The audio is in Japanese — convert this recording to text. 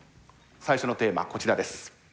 最初のテーマはこちらです。